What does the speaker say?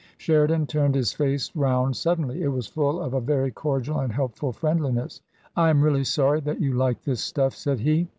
Sheridan turned his face round suddenly ; it was full of a very cordial and helpful friendliness. ^' I am really sorry that you like this stuff," said he.